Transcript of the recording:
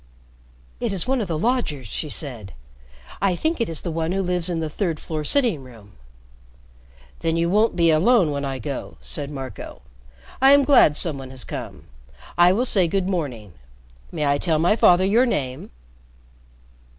"It is one of the lodgers," she said. "I think it is the one who lives in the third floor sitting room." "Then you won't be alone when I go," said Marco. "I am glad some one has come. I will say good morning. May I tell my father your name?"